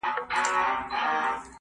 د سترگو هره ائينه کي مي ستا نوم ليکلی.